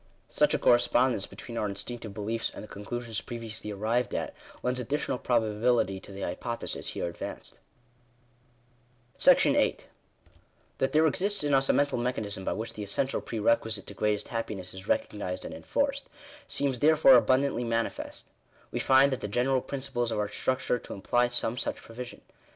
Such a corre spondence between our instinctive beliefs, and the conclusions previously arrived at, lends additional probability to the hypo thesis here advanced. §8. That there exists in us a mental mechanism by which the essential pre requisite to greatest happiness is recognised and Digitized by VjOOQIC 102 8ECONDARY DERIVATION OF A FIR8T PRINCIPLE. enforced, seems therefore abundantly manifest. We find the general principles of our structure to imply some such pro vision.